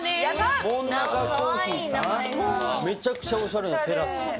こちら、めちゃくちゃおしゃれなテラスだね。